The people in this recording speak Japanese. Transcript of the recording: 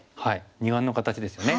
二眼の形ですよね。